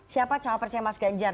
siapa cawapresnya mas ganjar